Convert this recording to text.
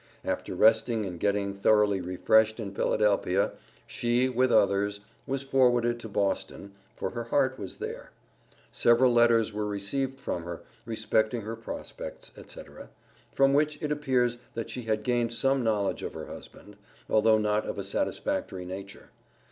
After resting and getting thoroughly refreshed in Philadelphia, she, with others, was forwarded to Boston, for her heart was there. Several letters were received from her, respecting her prospects, etc., from which it appears that she had gained some knowledge of her husband, although not of a satisfactory nature.